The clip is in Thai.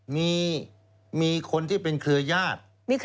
มีมีคนที่เป็นเครือยาท